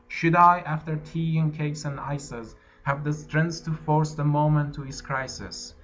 Should I, after tea and cakes and ices, Have the strength to force the moment to its crisis?